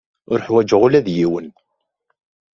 Ur uḥwaǧeɣ ula d yiwen.